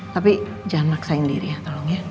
tapi jangan maksain diri ya tolong ya